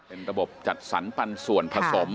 เป็นระบบจัดสรรปันส่วนผสม